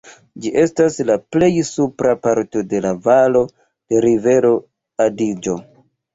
Ĝi estas la plej supra parto de la valo de rivero Adiĝo.